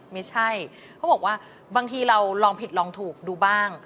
ไม่ใช่เขาบอกว่าบางทีเราลองผิดลองถูกดูบ้าง